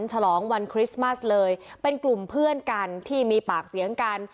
ฉลองวันคริสต์มัสเลยเป็นกลุ่มเพื่อนกันที่มีปากเสียงกัน